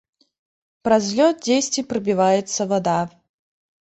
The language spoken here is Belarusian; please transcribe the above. Праз лёд дзесьці прабіваецца вада.